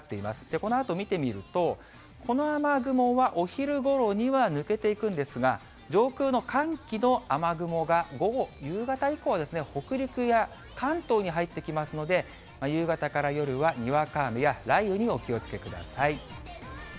このあと見てみると、この雨雲はお昼ごろには抜けていくんですが、上空の寒気の雨雲が午後、夕方以降ですね、北陸や関東に入ってきますので、夕方から夜はにわか雨や雷雨にお気をつけください。